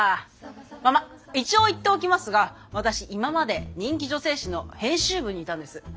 ままっ一応言っておきますが私今まで人気女性誌の編集部にいたんです。